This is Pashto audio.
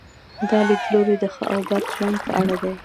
دا لیدلوری د ښه او بد ژوند په اړه وي.